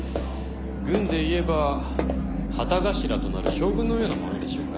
軍でいえば旗頭となる将軍のようなものでしょうか。